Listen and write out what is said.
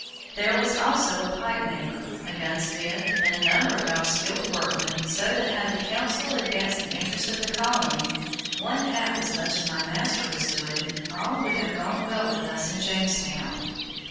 There was also a pipe maker, a gunsmith, and a number of other skilled workmen, so that had the Council advanced the interest of the colony one half as much as my master was doing, all would have gone well with us in Jamestown.